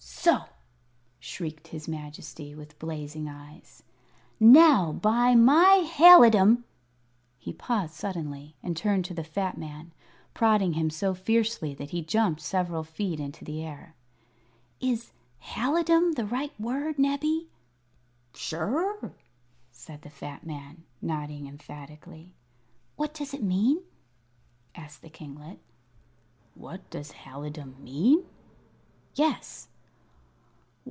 "So!" shrieked his Majesty, with blazing eyes. "Now by my halidom " he paused suddenly, and turned to the fat man, prodding him so fiercely that he jumped several feet into the air. "Is 'halidom' the right word, Nebbie?" "Sure," said the fat man, nodding emphatically. "What does it mean?" asked the kinglet. "What does halidom mean?" "Yes."